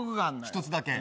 一つだけ？